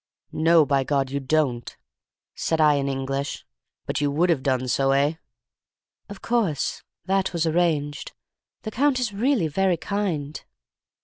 "'No, by God you don't!' said I in English. 'But you would have done so, eh?' "'Of course. That was arranged. The Count is really very kind.